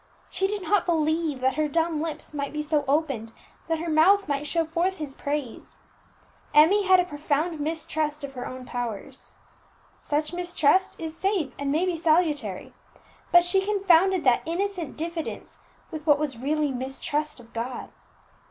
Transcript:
She did not believe that her dumb lips might be so opened that her mouth might show forth His praise. Emmie had a profound mistrust of her own powers. Such mistrust is safe and may be salutary; but she confounded that innocent diffidence with what was really mistrust of God.